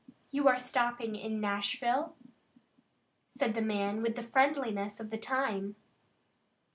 "You are stopping in Nashville?" said the man with the friendliness of the time.